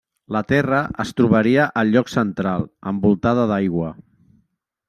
La terra es trobaria al lloc central, envoltada d'aigua.